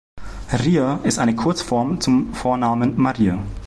Ria ist eine Kurzform zum Vornamen Maria.